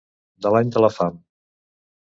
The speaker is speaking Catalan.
De l'any de la fam.